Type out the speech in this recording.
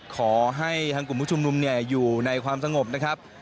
ขอให้ทางกลุ่มผู้ชุมนุมอยู่ในความสงบนะครับ